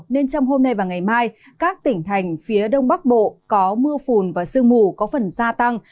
nên trong hôm nay và ngày mai các tỉnh thành phía đông bắc bộ có mưa phùn và sương mù có phần gia tăng